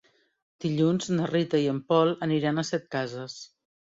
Dilluns na Rita i en Pol aniran a Setcases.